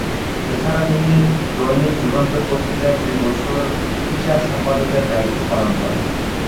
এছাড়া তিনি দৈনিক যুগান্তর পত্রিকায় দু’বছর ফিচার সম্পাদকের দায়িত্ব পালন করেন।